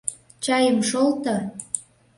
Чайым шолто.